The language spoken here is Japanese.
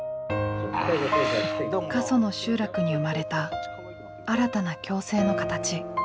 過疎の集落に生まれた新たな共生の形。